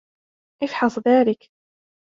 إفحص ذلك.